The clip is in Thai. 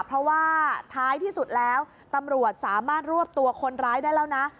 เพราะว่าท้ายที่สุดแล้วตำรวจสามารถรวบตัวคนร้ายได้แล้วนะ